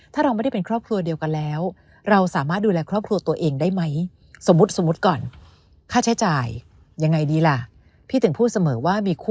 ถ้าเราไม่ได้เป็นครอบครัวเดียวกันแล้ว